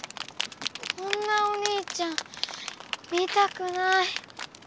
こんなお兄ちゃん見たくない。